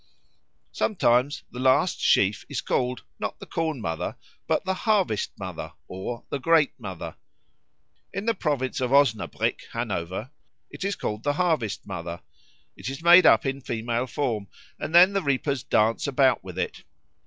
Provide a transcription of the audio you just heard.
Sometimes the last sheaf is called, not the Corn mother, but the Harvest mother or the Great Mother. In the province of Osnabrück, Hanover, it is called the Harvest mother; it is made up in female form, and then the reapers dance about with it.